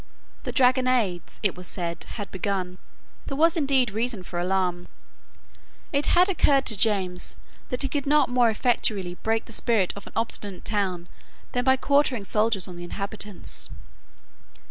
The dragonades, it was said, had begun. There was indeed reason for alarm. It had occurred to James that he could not more effectually break the spirit of an obstinate town than by quartering soldiers on the inhabitants.